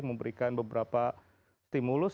memberikan beberapa stimulus